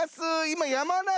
今。